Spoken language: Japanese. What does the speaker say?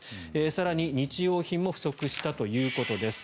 更に、日用品も不足したということです。